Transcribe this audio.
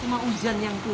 cuma hujan yang turun